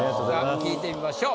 聞いてみましょう。